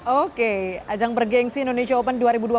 oke ajang bergengsi indonesia open